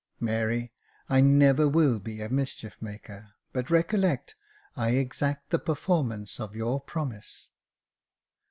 " Mary, I never will be a mischief maker ; but recollect, I exact the performance of your promise."